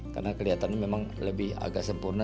karena kelihatannya memang lebih agak sempurna